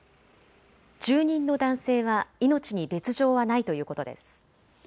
住人の男性は命に別状はないということです。